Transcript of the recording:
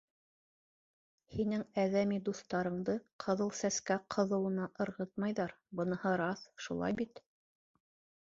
Һинең әҙәми дуҫтарыңды Ҡыҙыл Сәскә ҡыҙыуына ырғытмайҙар, быныһы раҫ, шулай бит?